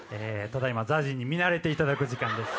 ただ今ＺＡＺＹに見慣れていただく時間です。